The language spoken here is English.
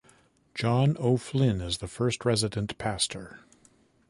John O'Flynn as the first resident pastor.